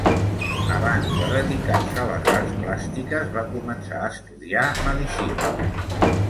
Abans de dedicar-se a les arts plàstiques va començar a estudiar medicina.